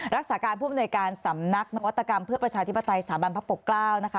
รักษาการผู้อำนวยการสำนักนวัตกรรมเพื่อประชาธิปไตยสถาบันพระปกเกล้านะคะ